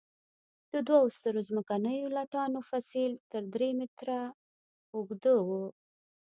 د دوو سترو ځمکنیو لټانو فسیل تر درې مترو اوږده وو.